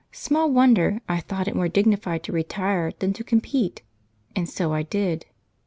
Small wonder I thought it more dignified to retire than to compete, and so I did.